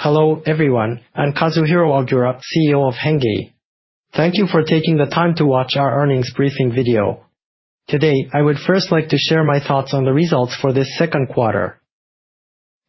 Hello everyone, I'm Kazuhiro Ogura, CEO of HENNGE. Thank you for taking the time to watch our earnings briefing video. Today, I would first like to share my thoughts on the results for this second quarter.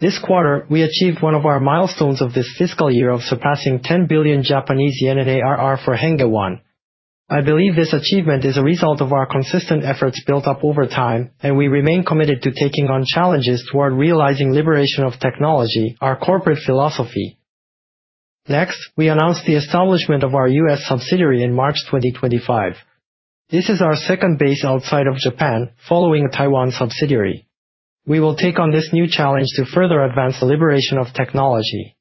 This quarter, we achieved one of our milestones of this fiscal year of surpassing 10 billion Japanese yen at ARR for HENNGE One. I believe this achievement is a result of our consistent efforts built up over time, and we remain committed to taking on challenges toward realizing liberation of technology, our corporate philosophy. Next, we announced the establishment of our U.S. subsidiary in March 2025. This is our second base outside of Japan, following a Taiwan subsidiary. We will take on this new challenge to further advance the liberation of technology.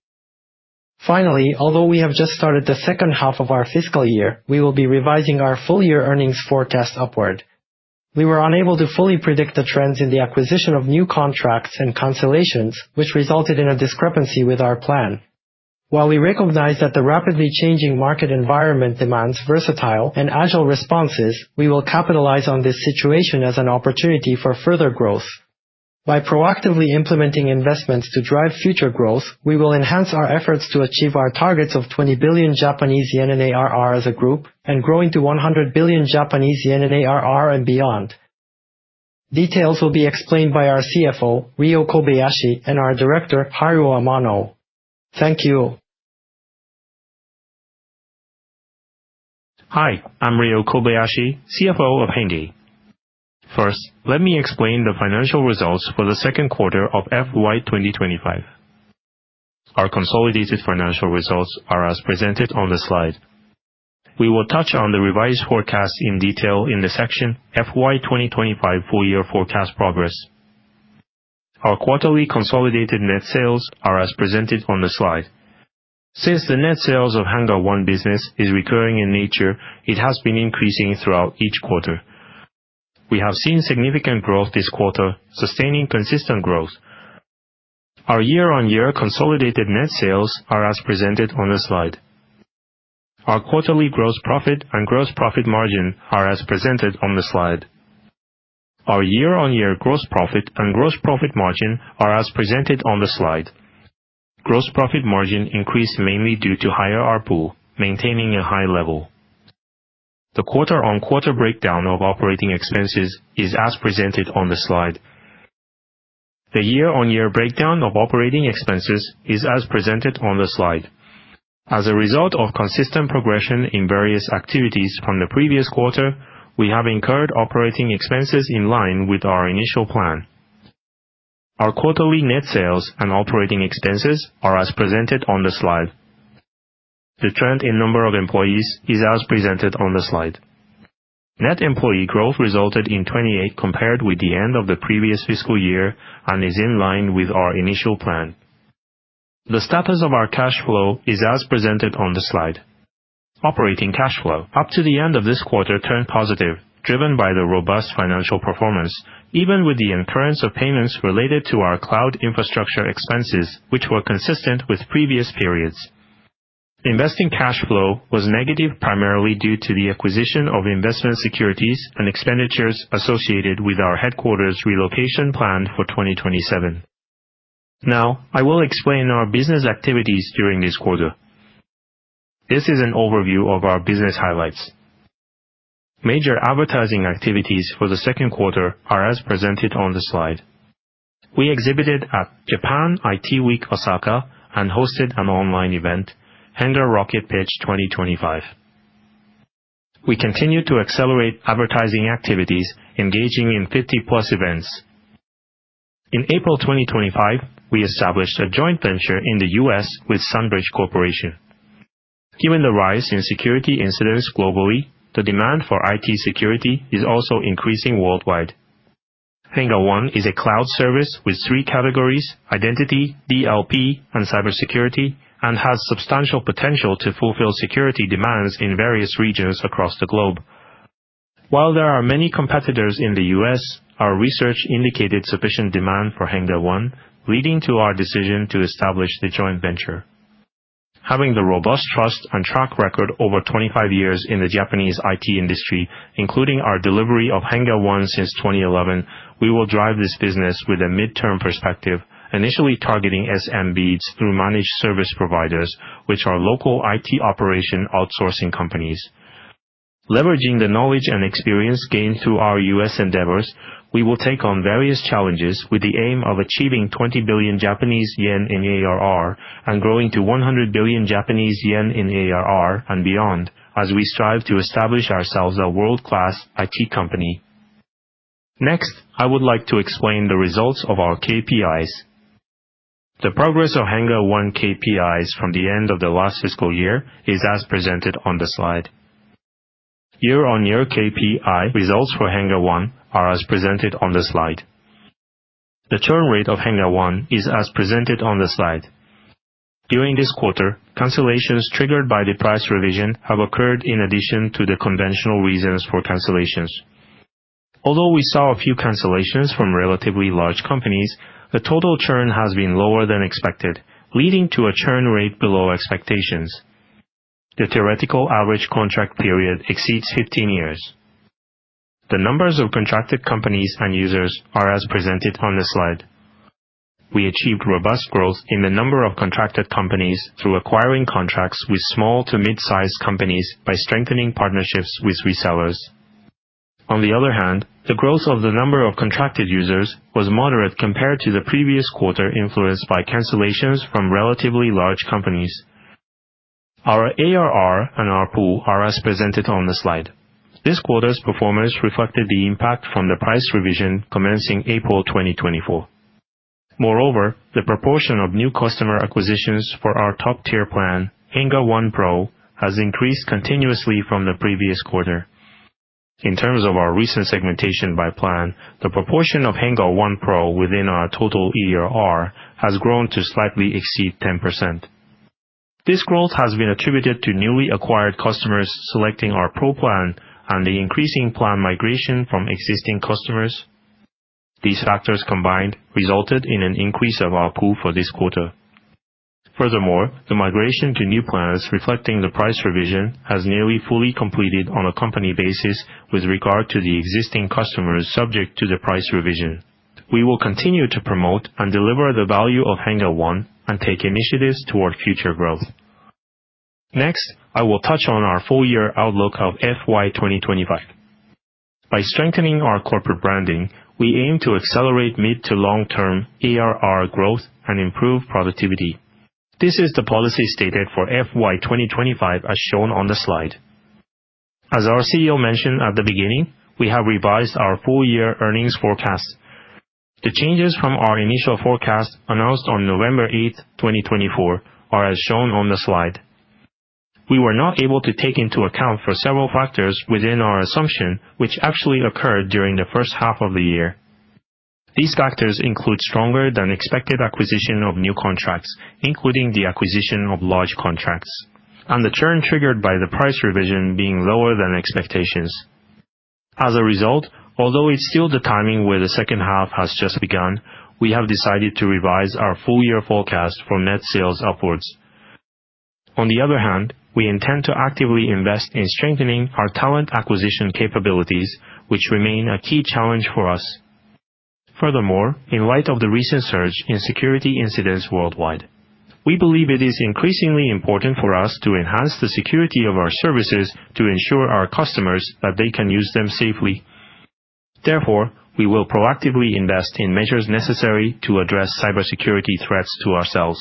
Finally, although we have just started the second half of our fiscal year, we will be revising our full-year earnings forecast upward. We were unable to fully predict the trends in the acquisition of new contracts and cancellations, which resulted in a discrepancy with our plan. While we recognize that the rapidly changing market environment demands versatile and agile responses, we will capitalize on this situation as an opportunity for further growth. By proactively implementing investments to drive future growth, we will enhance our efforts to achieve our targets of 20 billion Japanese yen in ARR as a group and grow into 100 billion Japanese yen in ARR and beyond. Details will be explained by our CFO, Ryo Kobayashi, and our Director, Haruo Amano. Thank you. Hi, I'm Ryo Kobayashi, CFO of HENNGE. First, let me explain the financial results for the second quarter of FY2025. Our consolidated financial results are as presented on the slide. We will touch on the revised forecast in detail in the section "FY2025 Full-Year Forecast Progress." Our quarterly consolidated net sales are as presented on the slide. Since the net sales of HENNGE One business is recurring in nature, it has been increasing throughout each quarter. We have seen significant growth this quarter, sustaining consistent growth. Our year-on-year consolidated net sales are as presented on the slide. Our quarterly gross profit and gross profit margin are as presented on the slide. Our year-on-year gross profit and gross profit margin are as presented on the slide. Gross profit margin increased mainly due to higher R-pool, maintaining a high level. The quarter-on-quarter breakdown of operating expenses is as presented on the slide. The year-on-year breakdown of operating expenses is as presented on the slide. As a result of consistent progression in various activities from the previous quarter, we have incurred operating expenses in line with our initial plan. Our quarterly net sales and operating expenses are as presented on the slide. The trend in number of employees is as presented on the slide. Net employee growth resulted in 28 compared with the end of the previous fiscal year and is in line with our initial plan. The status of our cash flow is as presented on the slide. Operating cash flow up to the end of this quarter turned positive, driven by the robust financial performance, even with the incurrence of payments related to our cloud infrastructure expenses, which were consistent with previous periods. Investing cash flow was negative primarily due to the acquisition of investment securities and expenditures associated with our headquarters relocation plan for 2027. Now, I will explain our business activities during this quarter. This is an overview of our business highlights. Major advertising activities for the second quarter are as presented on the slide. We exhibited at Japan IT Week Osaka and hosted an online event, HENNGE Rocket Pitch 2025. We continued to accelerate advertising activities, engaging in 50-plus events. In April 2025, we established a joint venture in the U.S. with Sunbridge Corporation. Given the rise in security incidents globally, the demand for IT security is also increasing worldwide. HENNGE One is a cloud service with three categories: identity, DLP, and cybersecurity, and has substantial potential to fulfill security demands in various regions across the globe. While there are many competitors in the U.S., our research indicated sufficient demand for HENNGE One, leading to our decision to establish the joint venture. Having the robust trust and track record over 25 years in the Japanese IT industry, including our delivery of HENNGE One since 2011, we will drive this business with a midterm perspective, initially targeting SMBs through managed service providers, which are local IT operation outsourcing companies. Leveraging the knowledge and experience gained through our U.S. endeavors, we will take on various challenges with the aim of achieving 20 billion Japanese yen in ARR and growing to 100 billion Japanese yen in ARR and beyond, as we strive to establish ourselves as a world-class IT company. Next, I would like to explain the results of our KPIs. The progress of HENNGE One KPIs from the end of the last fiscal year is as presented on the slide. Year-on-year KPI results for HENNGE One are as presented on the slide. The churn rate of HENNGE One is as presented on the slide. During this quarter, cancellations triggered by the price revision have occurred in addition to the conventional reasons for cancellations. Although we saw a few cancellations from relatively large companies, the total churn has been lower than expected, leading to a churn rate below expectations. The theoretical average contract period exceeds 15 years. The numbers of contracted companies and users are as presented on the slide. We achieved robust growth in the number of contracted companies through acquiring contracts with small to mid-sized companies by strengthening partnerships with resellers. On the other hand, the growth of the number of contracted users was moderate compared to the previous quarter influenced by cancellations from relatively large companies. Our ARR and R pool are as presented on the slide. This quarter's performance reflected the impact from the price revision commencing April 2024. Moreover, the proportion of new customer acquisitions for our top-tier plan, HENNGE One Pro, has increased continuously from the previous quarter. In terms of our recent segmentation by plan, the proportion of HENNGE One Pro within our total ARR has grown to slightly exceed 10%. This growth has been attributed to newly acquired customers selecting our Pro plan and the increasing plan migration from existing customers. These factors combined resulted in an increase of R-pool for this quarter. Furthermore, the migration to new plans reflecting the price revision has nearly fully completed on a company basis with regard to the existing customers subject to the price revision. We will continue to promote and deliver the value of HENNGE One and take initiatives toward future growth. Next, I will touch on our full-year outlook of FY2025. By strengthening our corporate branding, we aim to accelerate mid- to long-term ARR growth and improve productivity. This is the policy stated for FY2025 as shown on the slide. As our CEO mentioned at the beginning, we have revised our full-year earnings forecast. The changes from our initial forecast announced on November 8, 2024, are as shown on the slide. We were not able to take into account for several factors within our assumption, which actually occurred during the first half of the year. These factors include stronger-than-expected acquisition of new contracts, including the acquisition of large contracts, and the churn triggered by the price revision being lower than expectations. As a result, although it's still the timing where the second half has just begun, we have decided to revise our full-year forecast for net sales upwards. On the other hand, we intend to actively invest in strengthening our talent acquisition capabilities, which remain a key challenge for us. Furthermore, in light of the recent surge in security incidents worldwide, we believe it is increasingly important for us to enhance the security of our services to ensure our customers that they can use them safely. Therefore, we will proactively invest in measures necessary to address cybersecurity threats to ourselves.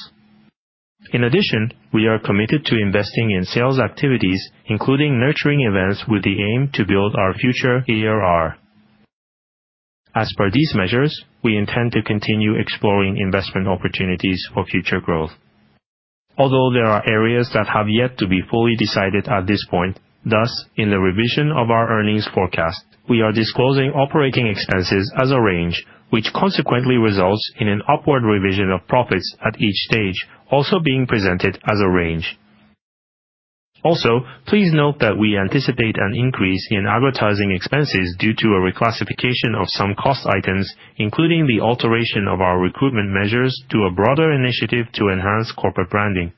In addition, we are committed to investing in sales activities, including nurturing events with the aim to build our future ARR. As per these measures, we intend to continue exploring investment opportunities for future growth. Although there are areas that have yet to be fully decided at this point, thus, in the revision of our earnings forecast, we are disclosing operating expenses as a range, which consequently results in an upward revision of profits at each stage also being presented as a range. Also, please note that we anticipate an increase in advertising expenses due to a reclassification of some cost items, including the alteration of our recruitment measures to a broader initiative to enhance corporate branding.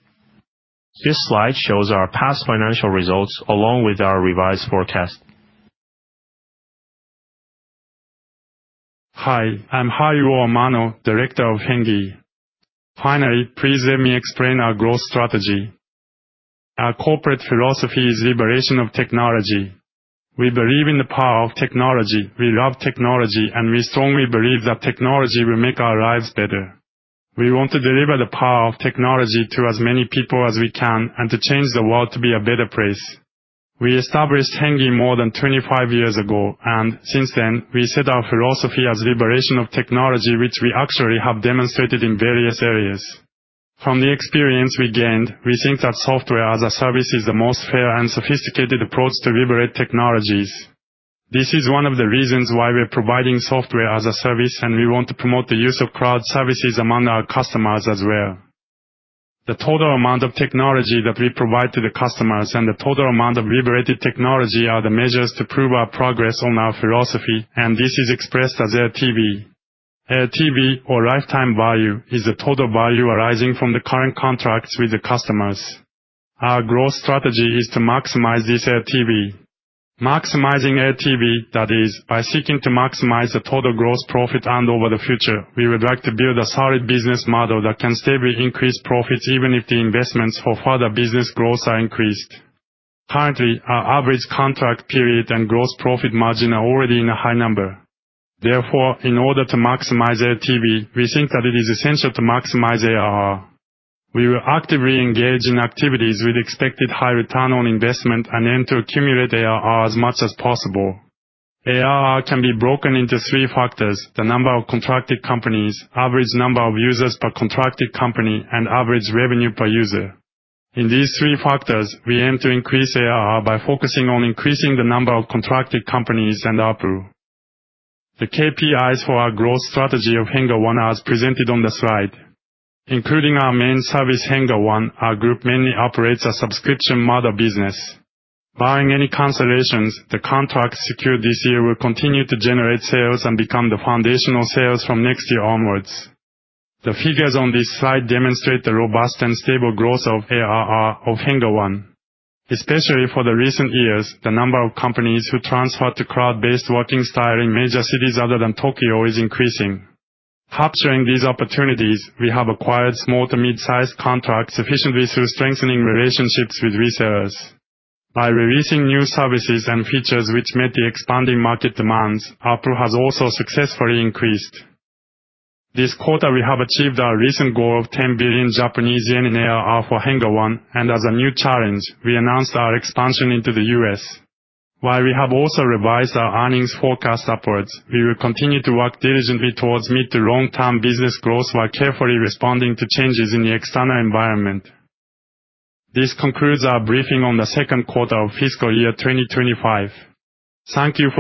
This slide shows our past financial results along with our revised forecast. Hi, I'm Haruo Amano, Director of HENNGE. Finally, please let me explain our growth strategy. Our corporate philosophy is liberation of technology. We believe in the power of technology, we love technology, and we strongly believe that technology will make our lives better. We want to deliver the power of technology to as many people as we can and to change the world to be a better place. We established HENNGE more than 25 years ago, and since then, we set our philosophy as liberation of technology, which we actually have demonstrated in various areas. From the experience we gained, we think that software as a service is the most fair and sophisticated approach to liberate technologies. This is one of the reasons why we're providing software as a service, and we want to promote the use of cloud services among our customers as well. The total amount of technology that we provide to the customers and the total amount of liberated technology are the measures to prove our progress on our philosophy, and this is expressed as LTV. LTV, or lifetime value, is the total value arising from the current contracts with the customers. Our growth strategy is to maximize this LTV. Maximizing LTV, that is, by seeking to maximize the total gross profit and over the future, we would like to build a solid business model that can steadily increase profits even if the investments for further business growth are increased. Currently, our average contract period and gross profit margin are already in a high number. Therefore, in order to maximize LTV, we think that it is essential to maximize ARR. We will actively engage in activities with expected high return on investment and aim to accumulate ARR as much as possible. ARR can be broken into three factors: the number of contracted companies, average number of users per contracted company, and average revenue per user. In these three factors, we aim to increase ARR by focusing on increasing the number of contracted companies and R-pool. The KPIs for our growth strategy of HENNGE One are as presented on the slide. Including our main service, HENNGE One, our group mainly operates a subscription model business. Barring any cancellations, the contracts secured this year will continue to generate sales and become the foundational sales from next year onwards. The figures on this slide demonstrate the robust and stable growth of ARR of HENNGE One. Especially for the recent years, the number of companies who transferred to cloud-based working style in major cities other than Tokyo is increasing. Capturing these opportunities, we have acquired small to mid-sized contracts efficiently through strengthening relationships with resellers. By releasing new services and features which met the expanding market demands, R-pool has also successfully increased. This quarter, we have achieved our recent goal of 10 billion Japanese yen in ARR for HENNGE One, and as a new challenge, we announced our expansion into the U.S. While we have also revised our earnings forecast upwards, we will continue to work diligently towards mid- to long-term business growth while carefully responding to changes in the external environment. This concludes our briefing on the second quarter of fiscal year 2025. Thank you.